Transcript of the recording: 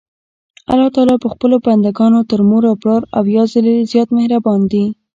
الله تعالی په خپلو بندګانو تر مور او پلار اويا ځلي زيات مهربان دي.